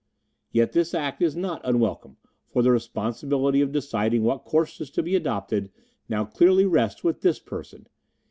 Yet this act is not unwelcome, for the responsibility of deciding what course is to be adopted now clearly rests with this person.